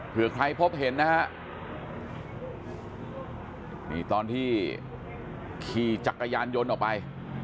เพื่อใครพบเห็นนะฮะนี่ตอนที่ขี่จักรยานยนต์ออกไป